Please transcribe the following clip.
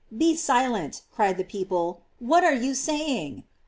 "Be silent," cried the people: "what are you saying?"